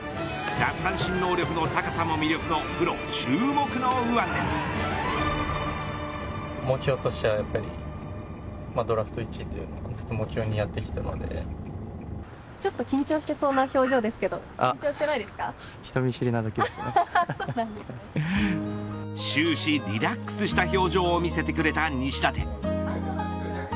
奪三振能力の高さも魅力と終始リラックスした表情を見せてくれた西舘。